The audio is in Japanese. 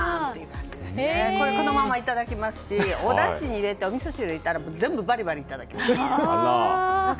これ、このままいただきますしおだしに入れておみそ汁に入れたら全部、バリバリいただきます。